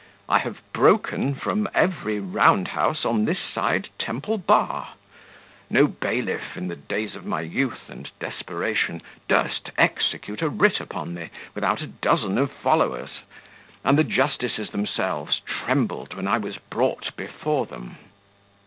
I have broken from every round house on this side Temple bar. No bailiff, in the days of my youth and desperation, durst execute a writ upon me without a dozen of followers; and the justices themselves trembled when I was brought before them.